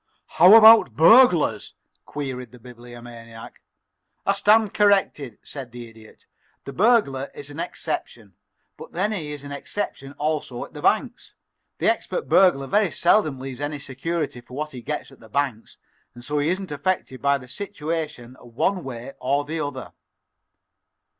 "How about burglars?" queried the Bibliomaniac. "I stand corrected," said the Idiot. "The burglar is an exception, but then he is an exception also at the banks. The expert burglar very seldom leaves any security for what he gets at the banks, and so he isn't affected by the situation one way or the other."